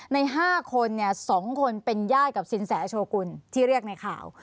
ใน๕คน๒คนเป็นญาติกับสินแสโชกุลที่เรียกในข่าว